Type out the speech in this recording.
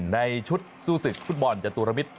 ในชุดสู้สิทธิ์ฟุตบอลจันตุรมิตร